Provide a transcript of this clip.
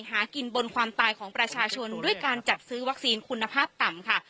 หากินบนความตายของประชาชนด้วยการจัดซื้อวัคซีนคุณภาพต่ำค่ะ